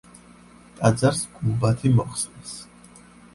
ტაძარს გუმბათი მოხსნეს.